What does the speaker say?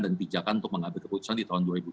dan pijakan untuk mengambil keputusan di tahun